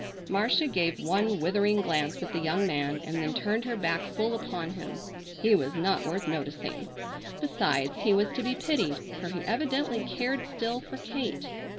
Marcia gave one withering glance at the young man and then turned her back full upon him. He was not worth noticing. Besides he was to be pitied, for he evidently cared still for Kate.